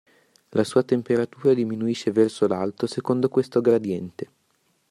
La sua temperatura diminuisce verso l'alto secondo questo gradiente.